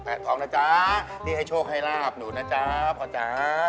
แปะทองนะจ๊ะที่ให้โชคให้ลาบหนุ่นน่ะจ๊ะพอจ๊ะ